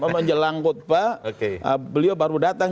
menjelang khutbah beliau baru datang